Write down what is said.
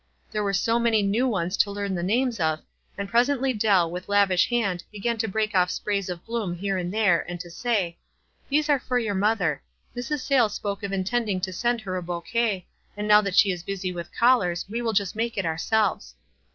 There w T ere so many new ones to learn the names of, and presently Dell with lavish hand began to break off sprays of bloom here and there, and to say, "These are for your mother. Mrs. Sayles spoke of intending to send her a bouquet, and now that she is busy with callers we will just make it ourselves."